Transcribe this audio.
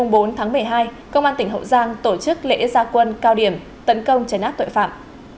ngày bốn tháng một mươi hai công an tỉnh hậu giang tổ chức lễ gia quân cao điểm tấn công chấn áp tội phạm